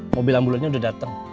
mobil ambulannya udah dateng